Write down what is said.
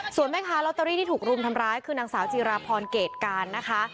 ส่วนแม่ค้าลอตเตอรี่ที่ถูกรุมทำร้ายคือนางสาวจีราพรเกรดการนะคะ